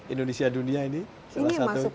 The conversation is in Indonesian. indonesia dunia ini ini masuk